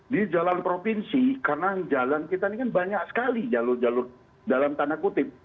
di jalan provinsi karena jalan kita ini kan banyak sekali jalur jalur dalam tanda kutip